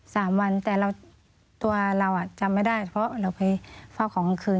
สามวันแต่ตัวเราจำไม่ได้เพราะเราไปเฝ้าของกลางคืน